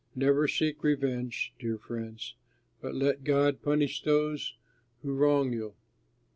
Never seek revenge, dear friends, but let God punish those who wrong you.